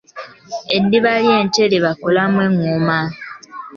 Eddiba ly'ente lye bakolamu engoma.